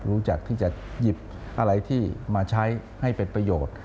รู้จักที่จะหยิบอะไรที่มาใช้ให้เป็นประโยชน์